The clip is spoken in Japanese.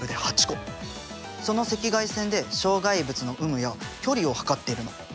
その赤外線で障害物の有無や距離を測っているの。